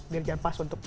biar jangan pas untuk